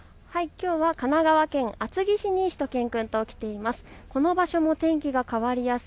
きょうは神奈川県厚木市にしゅと犬くんと来ています。